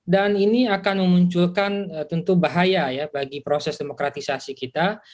dan ini akan memunculkan tentu bahaya ya bagi proses demokratisasi kita